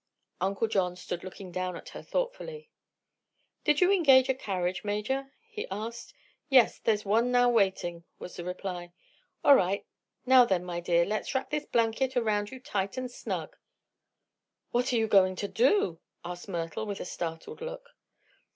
Uncle John stood looking down at her thoughtfully. "Did you engage a carriage, Major?" he asked. "Yes; there's one now waiting," was the reply. "All right. Now, then, my dear, let's wrap this blanket around you tight and snug." "What are you going to do?" asked Myrtle with a startled look.